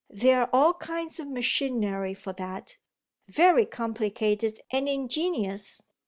"There are all kinds of machinery for that very complicated and ingenious.